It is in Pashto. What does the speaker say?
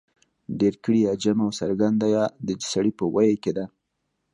ډېرگړې يا جمع او څرگنده يا د سړي په ویي کې ده